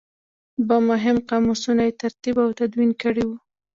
دوه مهم قاموسونه یې ترتیب او تدوین کړي وو.